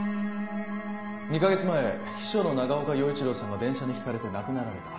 ２カ月前秘書の長岡洋一郎さんが電車にひかれて亡くなられた。